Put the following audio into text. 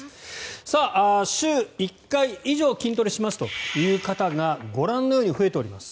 週１回以上筋トレしますという方がご覧のように増えております。